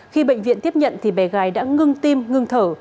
khi bệnh viện tiếp nhận thì bé gái đã ngưng tim ngưng thở